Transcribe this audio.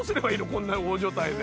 こんな大所帯で。